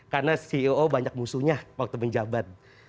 karena ceo banyak musuhnya waktu menjabat